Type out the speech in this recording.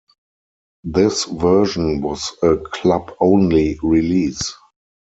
This version was a club-only release.